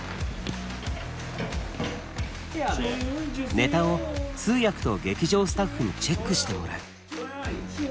ネタを通訳と劇場スタッフにチェックしてもらう。